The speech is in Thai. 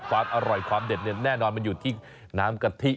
ความอร่อยความเด็ดเนี่ยแน่นอนมันอยู่ที่น้ำกะทิ